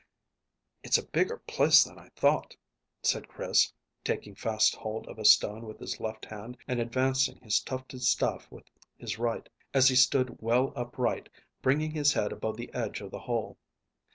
"It's a bigger place than I thought," said Chris, taking fast hold of a stone with his left hand and advancing his tufted staff with his right, as he stood well upright, bringing his head above the edge of the hole.